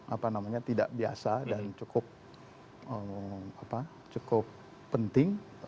apa namanya tidak biasa dan cukup penting